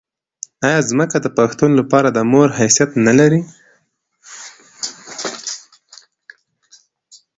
آیا ځمکه د پښتون لپاره د مور حیثیت نلري؟